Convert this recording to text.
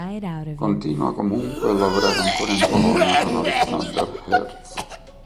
Continua, comunque, a lavorare ancora in Polonia con Aleksander Hertz.